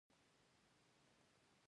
ځینې توکي مو وپېرل.